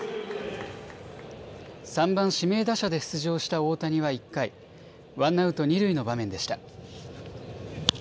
３番・指名打者で出場した大谷は１回ワンアウト二塁の場面でした。